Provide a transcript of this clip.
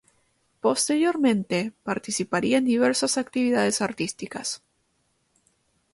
Posteriormente, participaría en diversas actividades artísticas.